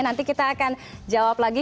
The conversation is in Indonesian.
nanti kita akan jawab lagi